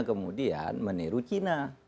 kemudian meniru cina